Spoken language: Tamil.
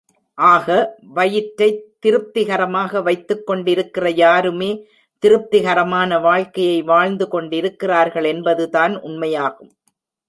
ஆக, வயிற்றைத் திருப்திகரமாக வைத்துக் கொண்டிருக்கிற யாருமே திருப்திகரமான வாழ்க்கையை வாழ்ந்து கொண்டிருக்கிறாள்கள் என்பதுதான் உண்மையாகும்.